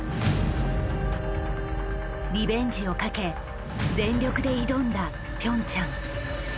リベンジをかけ全力で挑んだピョンチャン。